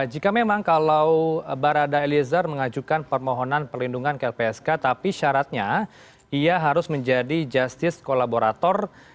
jika memang kalau barada eliezer mengajukan permohonan perlindungan ke lpsk tapi syaratnya ia harus menjadi justice kolaborator